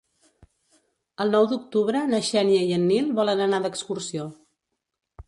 El nou d'octubre na Xènia i en Nil volen anar d'excursió.